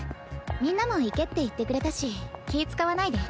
みんなも行けって言ってくれたし気遣わないで。